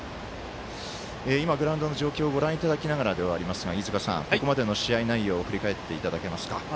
今、グラウンドの状況ご覧いただきながらではありますが飯塚さん、ここまでの試合内容振り返っていただけますか。